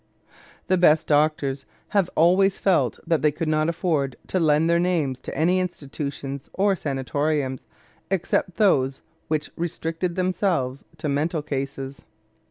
The best doctors have always felt that they could not afford to lend their names to any institutions or sanatoriums except those which restricted themselves to mental cases.